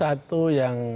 ya salah satu yang halus